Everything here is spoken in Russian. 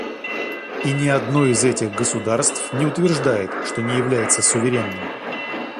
И ни одно из этих государств не утверждает, что не является суверенным.